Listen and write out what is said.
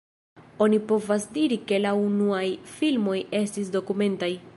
Oni povas diri ke la unuaj filmoj estis dokumentaj.